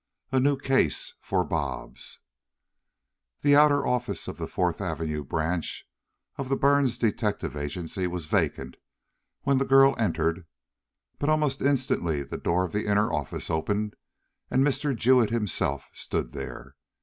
A NEW "CASE" FOR BOBS The outer office of the Fourth Avenue Branch of the Burns Detective Agency was vacant when the girl entered, but almost instantly the door of the inner office opened and Mr. Jewett himself stood there.